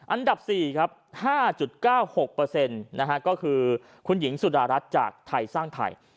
อันดับ๔ครับ๕๙๖ก็คือคุณหญิงสุดารัฐจากไทยสร้างไทย